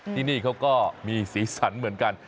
ที่นี่เขาก็มีสีสันเหมือนกัน